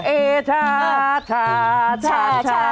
เอ้ยท้าท้าท้าท้า